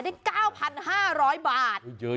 นี่คือเทคนิคการขาย